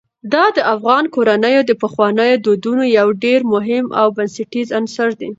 دا د افغان کورنیو د پخوانیو دودونو یو ډېر مهم او بنسټیز عنصر دی.